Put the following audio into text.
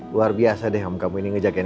luar biasa deh om kamu ini ngejakin kamu